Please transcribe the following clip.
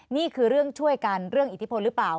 นี่คือเรื่องช่วยกันเรื่องอิทธิพลหรือเปล่า